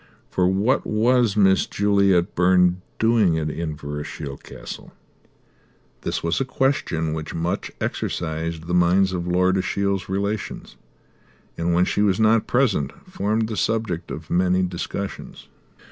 For what was Miss Juliet Byrne doing at Inverashiel Castle? This was a question which much exercised the minds of Lord Ashiel's relations and, when she was not present, formed the subject of many discussions.